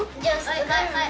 はいはい！